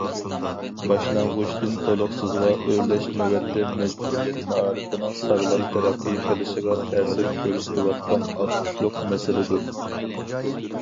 باشلانغۇچتىن تولۇقسىزغا ئۆرلەش نۆۋەتتە مەجبۇرىيەت مائارىپىنىڭ ساغلام تەرەققىي قىلىشىغا تەسىر كۆرسىتىۋاتقان ئاچقۇچلۇق مەسىلىدۇر.